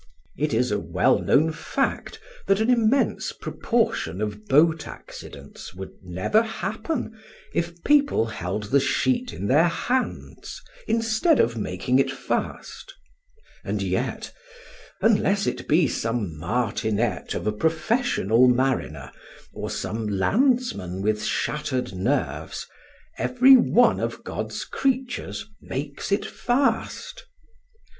It is a well known fact that an immense proportion of boat accidents would never happen if people held the sheet in their hands instead of making it fast; and yet, unless it be some martinet of a professional mariner or some landsman with shattered nerves, every one of God's creatures makes it fast.